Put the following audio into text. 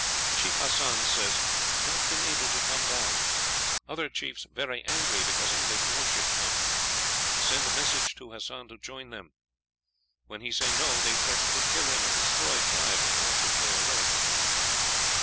Chief Hassan says not been able to come down. Other chiefs very angry because English warship come. Send message to Hassan to join them. When he say no, they threaten to kill him and destroy tribe when warship go away.